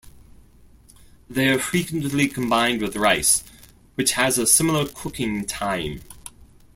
They are frequently combined with rice, which has a similar cooking time.